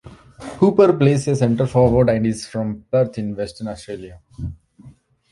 Hooper plays a centre forward and is from Perth in Western Australia.